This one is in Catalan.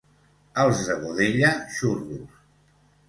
Els de Godella, xurros.